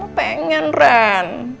nama pengen ren